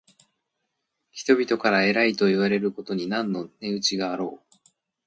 人々から偉いといわれることに何の値打ちがあろう。